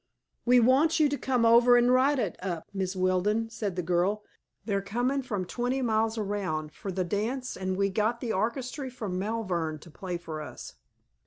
"We want you to come over an' write it up, Mrs. Weldon," said the girl. "They're comin' from twenty mile around, fer the dance, an' we've got the orchestry from Malvern to play for us.